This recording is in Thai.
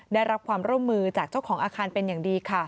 ได้รับความร่วมมือจากเจ้าของอาคารเป็นอย่างดีค่ะ